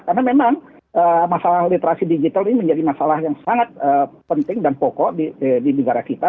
karena memang masalah literasi digital ini menjadi masalah yang sangat penting dan pokok di negara kita